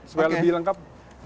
supaya lebih lengkap